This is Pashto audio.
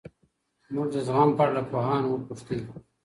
موږ د زغم په اړه له پوهانو وپوښهمېشهو.